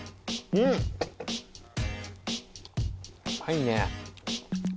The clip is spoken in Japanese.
うまいね。